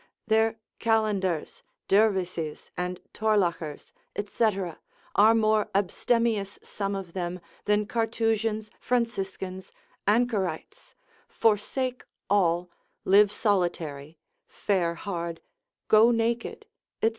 Their kalendars, dervises, and torlachers, &c. are more abstemious some of them, than Carthusians, Franciscans, Anchorites, forsake all, live solitary, fare hard, go naked, &c.